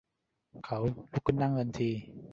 เขาลุกขึ้นนั่งทันที